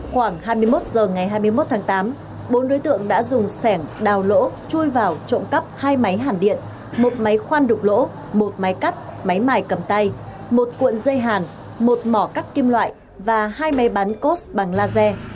khoảng hai mươi một h ngày hai mươi một tháng tám bốn đối tượng đã dùng sẻng đào lỗ chui vào trộm cắp hai máy hàn điện một máy khoan đục lỗ một máy cắt máy mài cầm tay một cuộn dây hàn một mỏ cắt kim loại và hai máy bán cost bằng laser